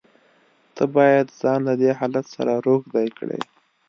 ته بايد ځان له دې حالت سره روږدى کړې.